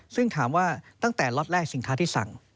ซึ่งถามว่าตั้งแต่ล็อตแรกสินค้าที่สั่ง